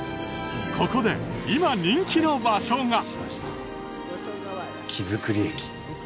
ここで今人気の場所が木造駅